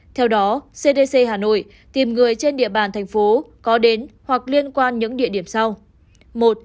theo đó cdc hà nội tìm người trên địa bàn thành phố có đến hoặc liên quan những địa điểm sau